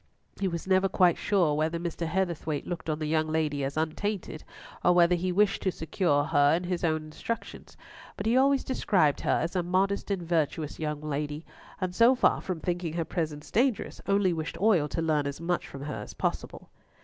He was never quite sure whether Mr. Heatherthwayte looked on the young lady as untainted, or whether he wished to secure her in his own instructions; but he always described her as a modest and virtuous young lady, and so far from thinking her presence dangerous, only wished Oil to learn as much from her as possible.